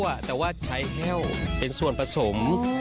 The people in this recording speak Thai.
แต่ว่าใช้แห้วเป็นส่วนผสม